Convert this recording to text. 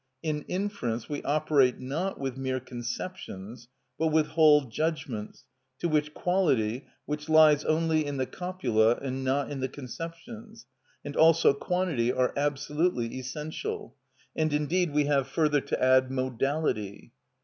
In inference we operate not with mere conceptions but with whole judgments, to which quality, which lies only in the copula and not in the conceptions, and also quantity are absolutely essential, and indeed we have further to add modality.